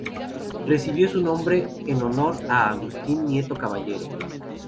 Recibió su nombre en honor a Agustín Nieto Caballero.